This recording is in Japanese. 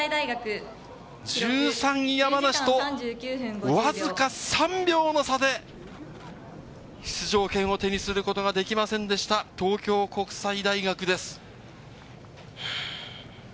１３位・山梨とわずか３秒の差で出場権を手にすることができませんでした、東京国際大学です。